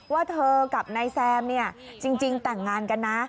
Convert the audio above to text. ว่าเธอกับนายแซมเนี่ยจริงแต่งงานกันนะ